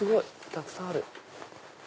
たくさんある。